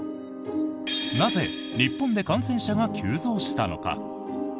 なぜ、日本で感染者が急増したのか。